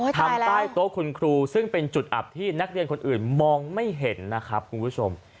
ทำใต้โต๊ะคุณครูซึ่งเป็นจุดอับที่นักเรียนคนอื่นมองไม่เห็นนะครับคุณผู้ชม